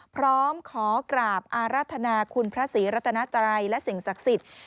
พร้อมขอกราบอารัฐนาคุณพระศรีรัตนาตรัยและสิ่งศักดิ์สิทธิ์